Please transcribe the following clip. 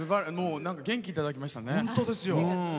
元気いただきましたね。